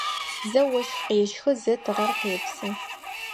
Зэ ощх къещхы, зэ тыгъэр къепсы.